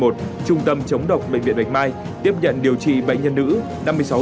trung tâm chống độc bệnh viện bạch mai tiếp nhận điều trị bệnh nhân nữ